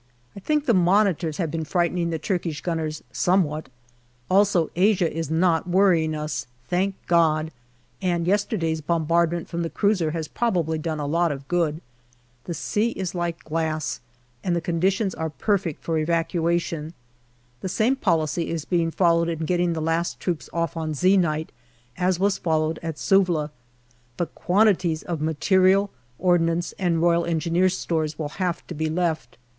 I think the Monitors have been frightening the Turkish gunners somewhat. Also Asia is not worrying us, thank God ! and yesterday's bombardment from the cruiser has probably done a lot of good. The sea is like glass, and the conditions are perfect for evacu ation. The same policy is being followed in getting the last troops off on " Z " night as was followed at Suvla, but quantities of material, ordnance, and R.E. stores will have to be left.